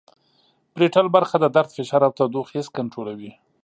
پریټل برخه د درد فشار او تودوخې حس کنترولوي